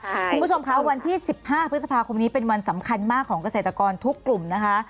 คุณผู้ชมคะวันที่๑๕พฤษภาคมนี้เป็นวันสำคัญมากของเกษตรกรทุกกลุ่มนะคะ